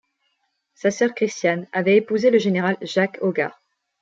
Sa sœur Christiane avait épousé le général Jacques Hogard.